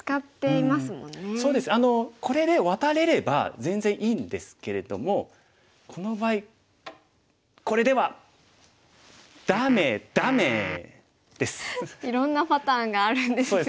これでワタれれば全然いいんですけれどもこの場合これではいろんなパターンがあるんですね。